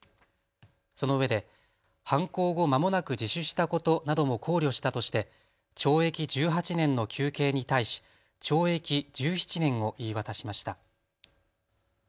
そのうえで犯行後、まもなく自首したことなども考慮したとして懲役１８年の求刑に対し懲役１７年を言い渡しました。